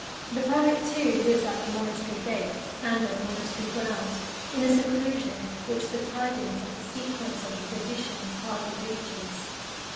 The poet, too, lives at the monastery gates, and on monastery ground, in a seclusion which the tidings of the sequence of his editions hardly reaches.